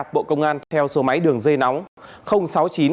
bộ công an theo số máy đường dây nóng